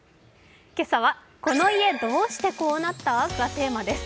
今朝は「この家どうしてこうなった？」がテーマです。